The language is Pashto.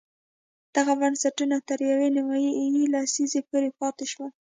دغه بنسټونه تر یوې نیمې لسیزې پورې پاتې شول.